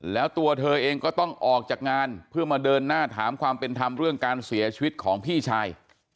แล้วตัวเธอเองก็ต้องออกจากงานเพื่อมาเดินหน้าถามความเป็นธรรมเรื่องการเสียชีวิตของพี่ชาย